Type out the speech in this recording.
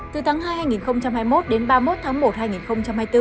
từ tháng hai hai nghìn hai mươi một đến ba mươi một tháng một hai nghìn hai mươi bốn